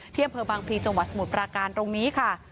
เที่ยงเผลอบางพลีจสมุทรปราการตรงนี้ค่ะ